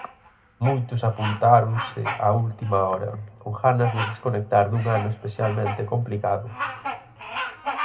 Moitos apuntáronse á última hora, con ganas de desconectar dun ano especialmente complicado.